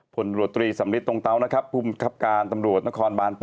ผลตรวจตรีสำริทตรงเตานะครับภูมิครับการตำรวจนครบาน๘